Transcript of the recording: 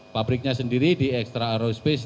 pabriknya sendiri di extra aerospace